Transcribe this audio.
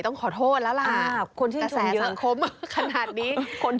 ต้องขอโทษแล้วล่ะกระแสสังคมขนาดนี้